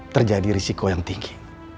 terjadi risiko yang tinggi